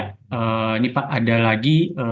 ini pak ada lagi